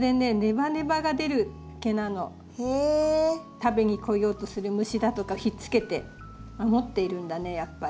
食べに来ようとする虫だとかをひっつけて守っているんだねやっぱり。